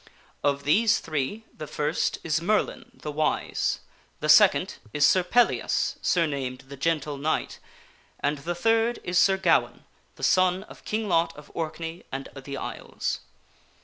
Of these three, the first is Merlin the Wise, the second is Sir Pellias, surnamed the Gentle Knight, and the third is Sir Gawaine, the son of King Lot of Orkney and the Isles.